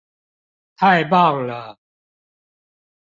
太棒了！